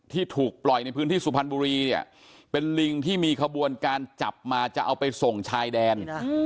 ที่ถูกปล่อยในพื้นที่สุพรรณบุรีเนี่ยเป็นลิงที่มีขบวนการจับมาจะเอาไปส่งชายแดน